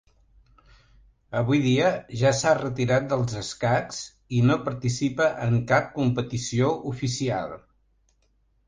Avui dia ja s'ha retirat dels escacs, i no participa en cap competició oficial.